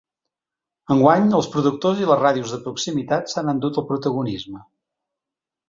Enguany, els productors i les ràdios de proximitat s’han endut el protagonisme.